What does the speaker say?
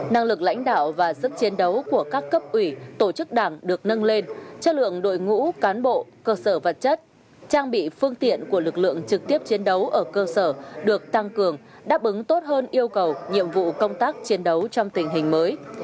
năng lực lãnh đạo và sức chiến đấu của các cấp ủy tổ chức đảng được nâng lên chất lượng đội ngũ cán bộ cơ sở vật chất trang bị phương tiện của lực lượng trực tiếp chiến đấu ở cơ sở được tăng cường đáp ứng tốt hơn yêu cầu nhiệm vụ công tác chiến đấu trong tình hình mới